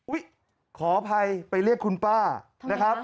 ขออภัยไปเรียกคุณป้านะครับ